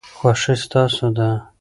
خوښي ستاسو ده.